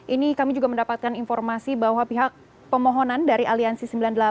ini kami juga mendapatkan informasi bahwa pihak pemohonan dari aliansi sembilan puluh delapan